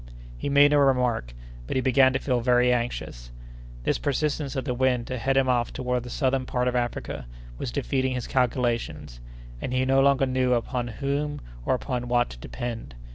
He made no remark, but he began to feel very anxious. This persistence of the wind to head him off toward the southern part of Africa was defeating his calculations, and he no longer knew upon whom or upon what to depend.